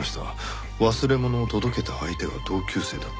忘れものを届けた相手が同級生だった？